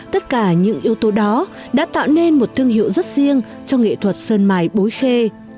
tất cả những yếu tố đó đã tạo nên một thương hiệu rất riêng cho nghệ thuật sơn mài bối khê